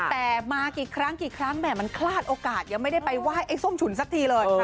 แต่มากี่ครั้งกี่ครั้งแหม่มันคลาดโอกาสยังไม่ได้ไปไหว้ไอ้ส้มฉุนสักทีเลย